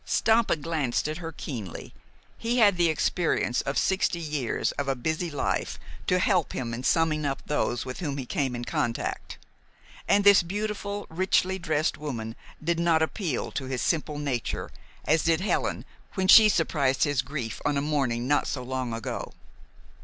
Stampa glanced at her keenly. He had the experience of sixty years of a busy life to help him in summing up those with whom he came in contact, and this beautiful, richly dressed woman did not appeal to his simple nature as did Helen when she surprised his grief on a morning not so long ago.